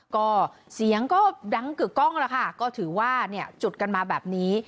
ก็เสียงก็ดังกึกกล้องแล้วค่ะก็ถือว่าเนี่ยจุดกันมาแบบนี้